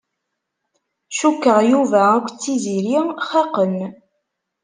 Cukkeɣ Yuba akked Tiziri xaqen.